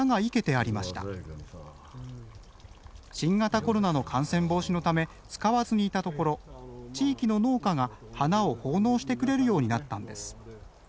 新型コロナの感染防止のため使わずにいたところ地域の農家が花を奉納してくれるようになったんです。